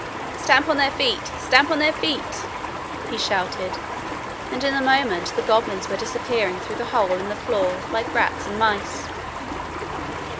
'Stamp on their feet; stamp on their feet!' he shouted, and in a moment the goblins were disappearing through the hole in the floor like rats and mice.